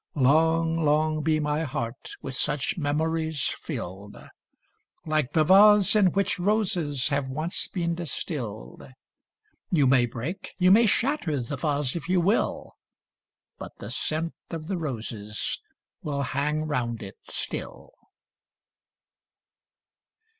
Long, long be my heart with such memories fill'd ! Like the vase, in which roses have once been distill'd — You may break, you may shatter the vase if you will, But the scent of the roses will hang round it still.